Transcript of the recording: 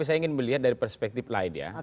saya ingin melihat dari perspektif lain ya